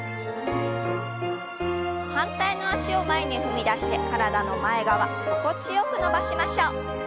反対の脚を前に踏み出して体の前側心地よく伸ばしましょう。